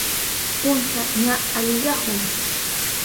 Puncha ña aliyahun.